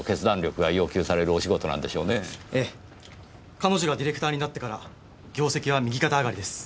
彼女がディレクターになってから業績は右肩上がりです。